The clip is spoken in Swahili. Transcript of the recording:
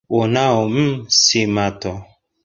Uonao m si mato